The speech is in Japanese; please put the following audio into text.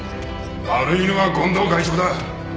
悪いのは権藤会長だ！